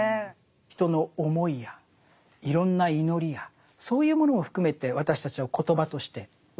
人の思いやいろんな祈りやそういうものを含めて私たちは言葉として受けている。